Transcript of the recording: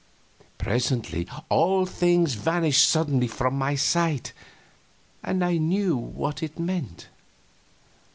Presently all things vanished suddenly from my sight, and I knew what it meant.